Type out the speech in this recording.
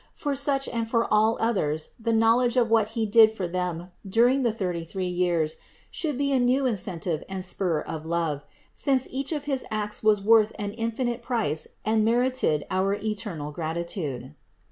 For such and for all others the knowledge of what He did for them during the thirty three years should be a new incentive and spur of love ; since each of his acts was worth an infinite price and merited our eternal gratitude.